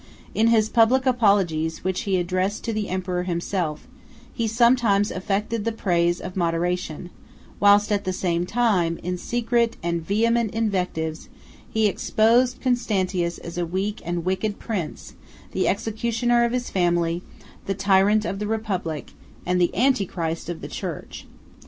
In his public apologies, which he addressed to the emperor himself, he sometimes affected the praise of moderation; whilst at the same time, in secret and vehement invectives, he exposed Constantius as a weak and wicked prince, the executioner of his family, the tyrant of the republic, and the Antichrist of the church.